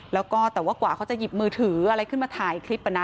แล้วก็แต่ว่ากว่าเขาจะหยิบมือถืออะไรขึ้นมาถ่ายคลิป